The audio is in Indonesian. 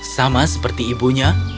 sama seperti ibunya